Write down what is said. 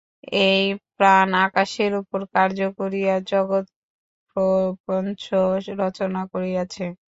এই প্রাণ আকাশের উপর কার্য করিয়া জগৎপ্রপঞ্চ রচনা করিয়াছে।